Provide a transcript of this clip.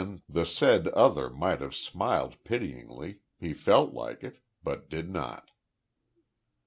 The said other might have smiled pityingly he felt like it but did not.